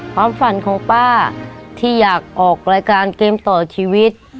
ความฝันของป้าที่อยากออกรายการเกมต่อชีวิต